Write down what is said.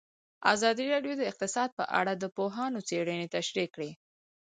ازادي راډیو د اقتصاد په اړه د پوهانو څېړنې تشریح کړې.